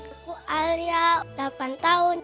aku alia delapan tahun